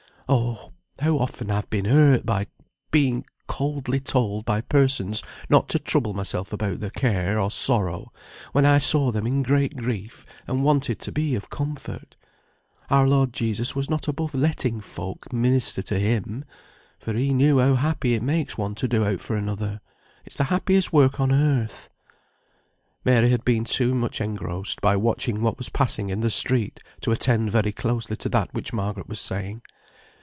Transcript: Oh! how often I've been hurt, by being coldly told by persons not to trouble myself about their care, or sorrow, when I saw them in great grief, and wanted to be of comfort. Our Lord Jesus was not above letting folk minister to Him, for He knew how happy it makes one to do aught for another. It's the happiest work on earth." Mary had been too much engrossed by watching what was passing in the street to attend very closely to that which Margaret was saying.